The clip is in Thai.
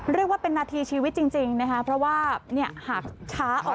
เรียกว่าเป็นนาทีชีวิตจริงนะคะเพราะว่าเนี่ยหากช้าออก